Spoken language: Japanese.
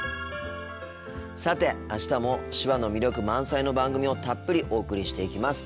さて明日も手話の魅力満載の番組をたっぷりお送りしていきます